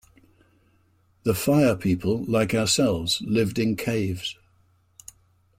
The Fire People, like ourselves, lived in caves.